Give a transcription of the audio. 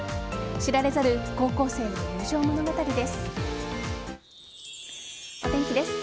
知られざる高校生の友情物語です。